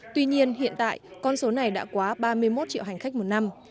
tuy nhiên hiện tại con số này đã quá ba mươi một triệu hành khách một năm